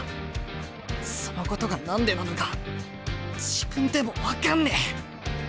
そのことが何でなのか自分でも分かんねえ。